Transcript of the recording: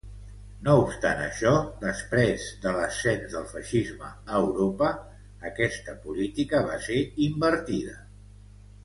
No obstant això, després de l'ascens del Feixisme a Europa, aquesta política va ser invertida.